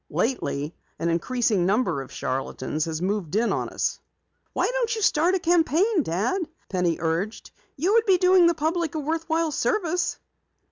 Lately an increasing number of charlatans has moved in on us." "Why don't you start a campaign, Dad?" Penny urged. "You would be doing the public a worthwhile service."